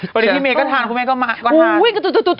พอดีที่เมก็ทาน